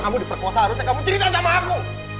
kalau kamu diperkuasa harusnya kamu cerita sama aku